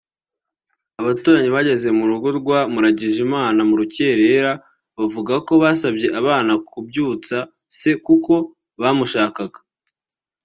Abaturanyi bageze mu rugo rwa Muragijimana mu rukererera bavuga ko basabye abana kubyutsa se kuko bamushakaga